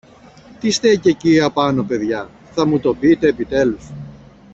Τι στέκει εκεί απάνω, παιδιά, θα μου το πείτε επιτέλους;